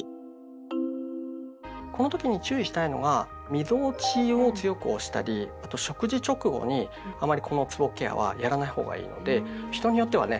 この時に注意したいのがみぞおちを強く押したりあと食事直後にあまりこのつぼケアはやらないほうがいいので人によってはね